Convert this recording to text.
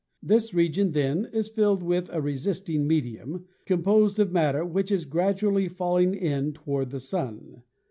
This region, then, is filled with a resisting medium, composed of matter which is gradually falling in toward the Sun.